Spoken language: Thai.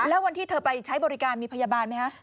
แล้ววันที่เธอไปใช้บริการมีพยาบาลไหมคะ